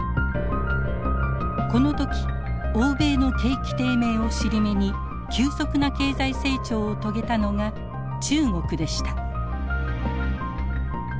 この時欧米の景気低迷を尻目に急速な経済成長を遂げたのが中国でした。